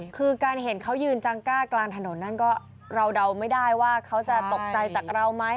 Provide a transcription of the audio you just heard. คือการเห็นเขายืนจังกล้ากลางถนนนั่นก็เราเดาไม่ได้ว่าเขาจะตกใจจากเราไหม